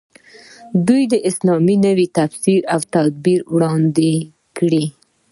دوی د اسلام نوی تفسیر او تعبیر وړاندې کړ.